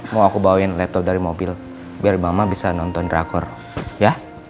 mau aku bawain laptop dari mobil biar mama bisa nonton drakor ya